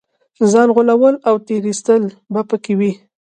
ځان غولول او تېر ایستل به په کې وي.